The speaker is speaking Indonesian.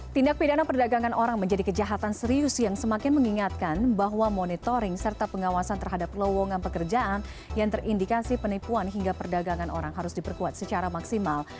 tindak pidana perdagangan orang menjadi kejahatan serius yang semakin mengingatkan bahwa monitoring serta pengawasan terhadap lowongan pekerjaan yang terindikasi penipuan hingga perdagangan orang harus diperkuat secara maksimal